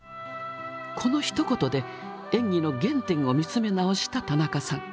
このひと言で演技の原点を見つめ直した田中さん。